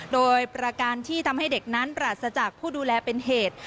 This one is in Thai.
โดยประการที่ทำให้เด็กนั้นปราศจากผู้ดูแลเป็นเหตุ